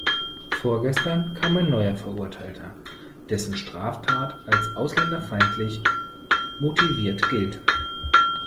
Vorgestern kam ein neuer Verurteilter, dessen Straftat als ausländerfeindlich motiviert gilt.